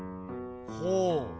ほう。